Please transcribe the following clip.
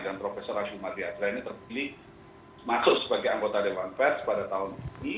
dan profesor azumar diyazra ini terpilih masuk sebagai anggota dewan pers pada tahun ini